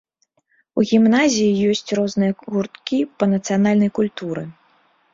У гімназіі ёсць розныя гурткі па нацыянальнай культуры.